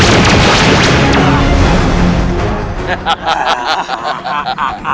kami akan mengembalikan mereka